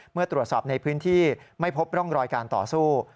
เมื่อตรวจสอบในพื้นที่ไม่พบร่องรอยการต่อสู้